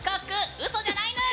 うそじゃないぬん！